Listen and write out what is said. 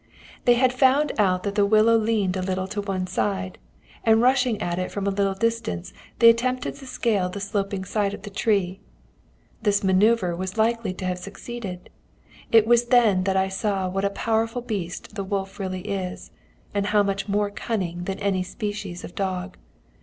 "They had found out that the willow leaned a little to one side, and rushing at it from a little distance, they attempted to scale the sloping side of the tree. This manœuvre was likely to have succeeded. It was then that I saw what a powerful beast the wolf really is, and how much more cunning than any species of dog.